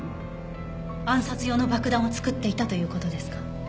暗殺用の爆弾を作っていたという事ですか？